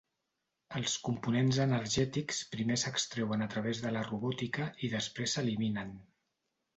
Els components energètics primer s'extreuen a través de la robòtica i després s'eliminen.